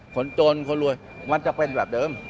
คนจนคนรวยมันจะเป็นแบบเดิม